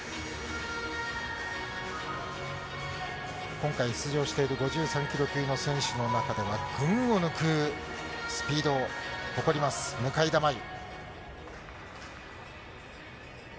今回出場している５３キロ級の選手の中では、群を抜くスピードを誇ります、向田真優。